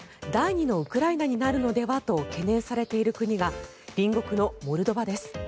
第２のウクライナになるのではと懸念されている国が隣国のモルドバです。